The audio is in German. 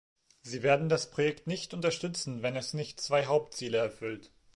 Sie werden das Projekt nicht unterstützen, wenn es nicht zwei Hauptziele erfüllt.